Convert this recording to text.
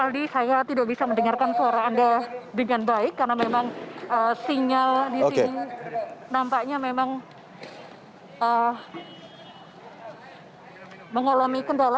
aldi saya tidak bisa mendengarkan suara anda dengan baik karena memang sinyal di sini nampaknya memang mengalami kendala